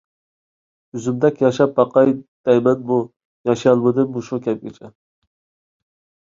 ئۆزۈمدەك ياشاپ باقاي دەيمەنۇ، ياشىيالمىدىم مۇشۇ كەمگىچە.